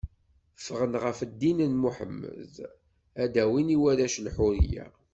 Ffɣen ɣef ddin n Muḥemmed, ad d-awin i warrac lḥuriya.